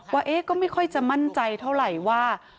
ว่าก็ไม่ค่อยจะมั่นใจเท่าไหร่ว่า